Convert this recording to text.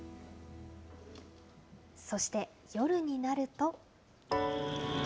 そして夜になると。